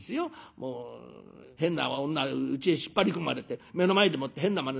もう変な女うちへ引っ張り込まれて目の前でもって変なまねされりゃ